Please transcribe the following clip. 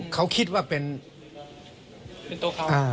เขาคิดว่าเป็นตัวเขา